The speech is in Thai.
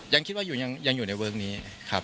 ยังคิดว่าอยู่ยังอยู่ในเวิร์คนี้ครับ